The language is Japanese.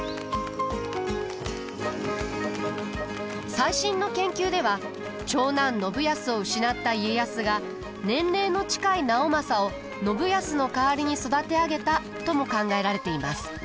最新の研究では長男信康を失った家康が年齢の近い直政を信康の代わりに育て上げたとも考えられています。